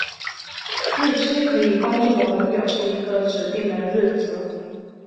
日期可以帮助我们表示一个指定的日子。